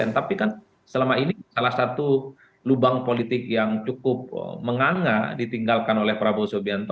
tapi kan selama ini salah satu lubang politik yang cukup menganga ditinggalkan oleh prabowo subianto